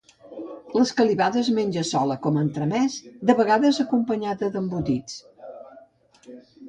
L'escalivada es menja sola, com a entremès, de vegades acompanyada d'embotits.